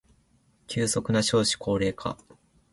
急速な少子高齢化